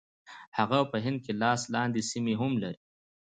هغه په هند کې لاس لاندې سیمې هم لري.